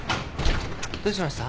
どうしました？